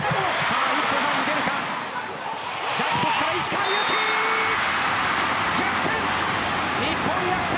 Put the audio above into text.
ジャンプトスから石川祐希逆転。